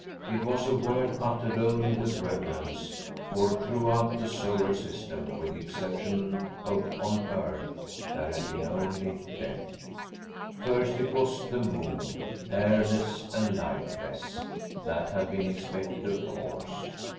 It was a word uttered only with reverence, for throughout the Solar System, with the exception of on Earth, there had been only death. First it was the Moon, airless and lifeless. That had been expected, of course.